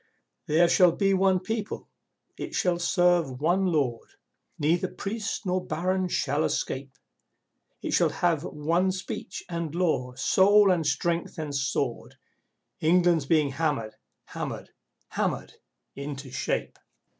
There shall be one people, it shall serve one Lord, (Neither Priest nor Baron shall escape!) It shall have one speech and law, soul and strength and sword. England's being hammered, hammered, hammered into shape!